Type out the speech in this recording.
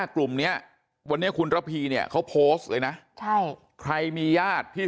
กลุ่มเนี้ยวันนี้คุณระพีเนี่ยเขาโพสต์เลยนะใช่ใครมีญาติที่